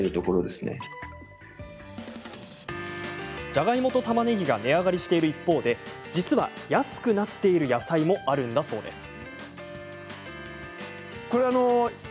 じゃがいもと、たまねぎが値上がりしている一方で実は安くなっている野菜もあるんだそうです。